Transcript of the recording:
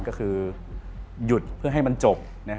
ก็คือหยุดเพื่อให้มันจบ